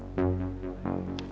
ganti ganti enggak